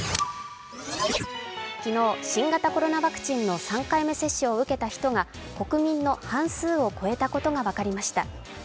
昨日、新型コロナワクチンの３回目接種を受けた人が国民の半数を超えたことが分かりました。